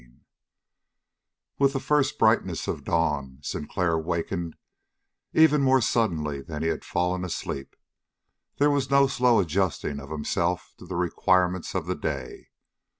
12 With the first brightness of dawn, Sinclair wakened even more suddenly that he had fallen asleep. There was no slow adjusting of himself to the requirements of the day.